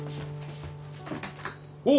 おっ。